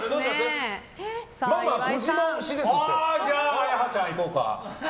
あやはちゃんいこうか。